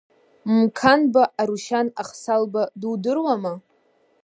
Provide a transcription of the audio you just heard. Мқанба, Арушьан Ахсалба дудыруама?